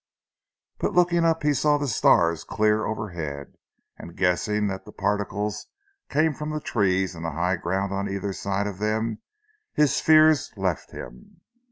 But looking up he saw the stars clear overhead, and guessing that the particles came from the trees and the high ground on either side of them, his fears left him.